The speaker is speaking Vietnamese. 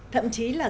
thậm chí là